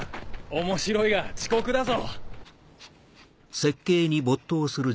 面白いが遅刻だぞ！